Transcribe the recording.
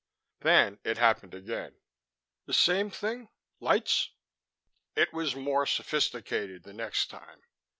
Then it happened again." "The same thing? Lights?" "It was more sophisticated the next time.